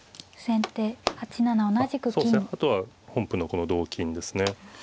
あとは本譜のこの同金ですね。